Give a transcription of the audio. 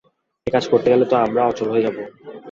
এ কাজ করতে গেলে তো আমরা অচল যাবো।